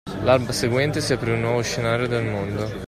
L’alba seguente si aprì un nuovo scenario nel mondo.